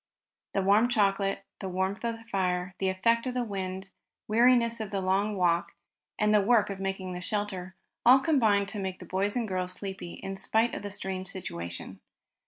The warm chocolate, the warmth of the fire, the effect of the wind, weariness of the long walk, and the work of making a shelter, all combined to make the boys and girls sleepy in spite of their strange situation.